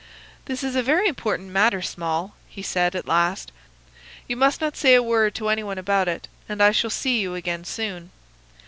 "'This is a very important matter, Small,' he said, at last. 'You must not say a word to any one about it, and I shall see you again soon.